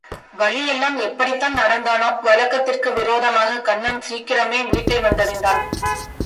வழியெல்லாம் எப்படித்தான் நடந்தானோ, வழக்கத்திற்கு விரோதமாக கண்ணன் சீக்கிரமே வீட்டை வந்தடைந்தான்.